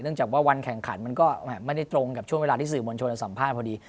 จากว่าวันแข่งขันมันก็ไม่ได้ตรงกับช่วงเวลาที่สื่อมวลชนสัมภาษณ์พอดี